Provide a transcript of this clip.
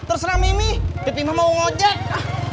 terserah mimi pipi mah mau ngojek